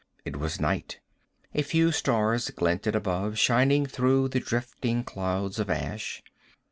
It was night. A few stars glinted above, shining through the drifting clouds of ash.